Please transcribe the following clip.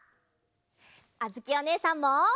あづきおねえさんも！